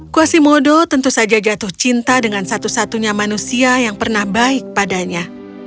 quasimodo tentu saja jatuh cinta dengan satu satunya manusia yang pernah baik padanya